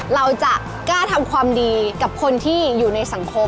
เราจะกล้าทำความดีกับคนที่อยู่ในสังคม